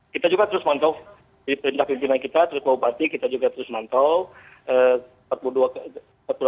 kita juga terus mantau di perintah pimpinan kita terus ke bupati kita juga terus mantau